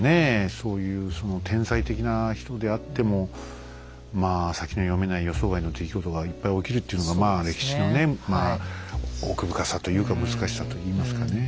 そういうその天才的な人であってもまあ先の読めない予想外の出来事がいっぱい起きるっていうのがまあ歴史のねまあ奥深さというか難しさといいますかねえ。